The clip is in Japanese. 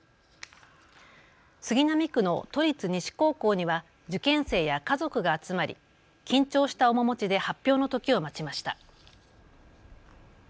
杉並区の都立西高校には受験生や家族が集まり緊張した面持ちで発表の時を待ちました。